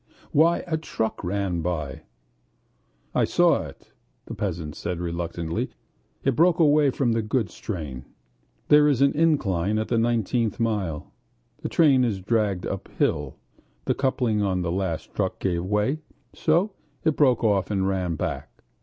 "Why, a truck ran by." "I saw it,..." the peasant said reluctantly. "It broke away from the goods train. There is an incline at the ninetieth mile...; the train is dragged uphill. The coupling on the last truck gave way, so it broke off and ran back....